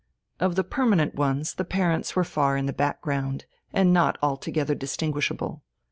Of the permanent ones, the parents were far in the back ground, and not altogether distinguishable.